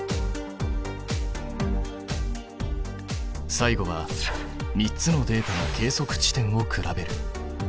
最後は３つのデータの計測地点を比べる。